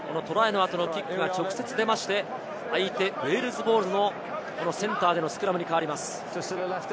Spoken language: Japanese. このトライのあとのキックが直接出て相手ウェールズボールのセンターでのスクラムに変わります。